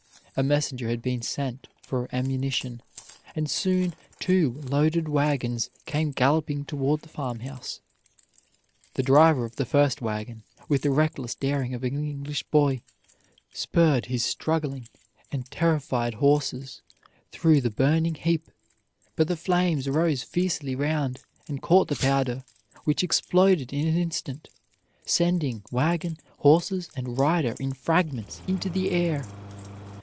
A messenger had been sent for ammunition, and soon two loaded wagons came galloping toward the farmhouse. "The driver of the first wagon, with the reckless daring of an English boy, spurred his struggling and terrified horses through the burning heap; but the flames rose fiercely round, and caught the powder, which exploded in an instant, sending wagon, horses, and rider in fragments into the air.